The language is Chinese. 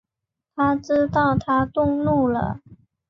他知道她动怒了